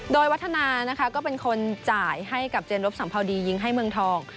โดยวัฒนานะคะก็เป็นคนจ่ายให้กับเจนรบสัมภาวดียิงให้เมืองทอง